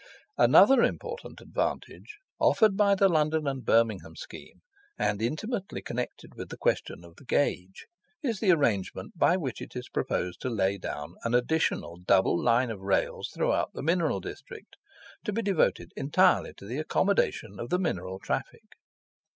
Another important advantage offered by the London and Birmingham scheme, and intimately connected with the question of the gauge, is the arrangement by which it is proposed to lay down an additional double line of rails throughout the mineral district, to be devoted entirely to the accommodation of the mineral traffic.